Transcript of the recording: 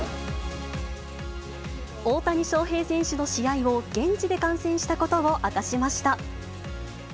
大谷翔平選手の試合を、現地で観戦したことを明かしました。